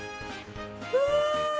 うわ！